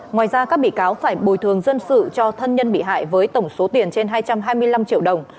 ngoài ra các bị cáo phải bồi thường dân sự cho thân nhân bị hại với tổng số tiền trên hai trăm hai mươi năm triệu đồng